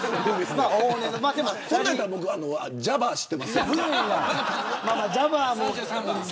そんなんやったら僕はジャバー知ってます。